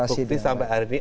tidak terbukti sampai hari ini